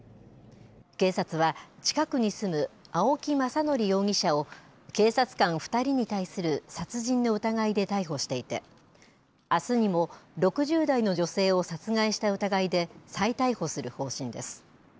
警察は、近くに住む青木政憲容疑者を警察官２人に対する殺人の疑いで逮捕していてあすにも６０代の女性を殺害した疑いで再逮捕する方針です。